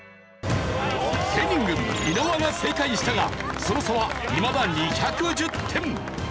芸人軍箕輪が正解したがその差はいまだ２１０点。